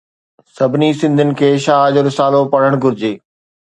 سڀني سنڌين کي شاھ جو رسالو پڙھڻ گھرجي.